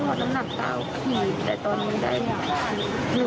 ครับตอนพ่อต้องหนัก๙แต่ตอนนี้ได้๑๒๐๐กรัม